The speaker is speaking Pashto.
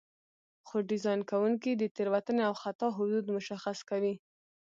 خو ډیزاین کوونکي د تېروتنې او خطا حدود مشخص کوي.